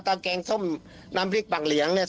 แกงส้มน้ำพริกบังเหลียงเนี่ย